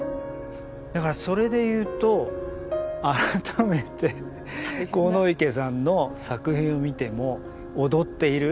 だからそれで言うと改めて鴻池さんの作品を見ても踊っている。